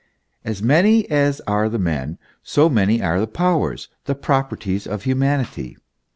As many as are the men, so many are the powers, the properties of humanity.